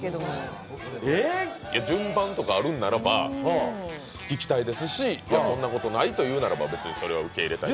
順番とかあるんならばいきたいですし、そんなことないというならばそれは受け入れたい。